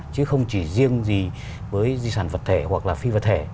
chứ không chỉ riêng gì với di sản vật thể hoặc là phi vật thể